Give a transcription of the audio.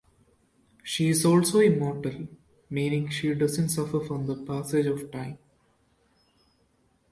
She is also immortal meaning she doesn't suffer from the passages of time.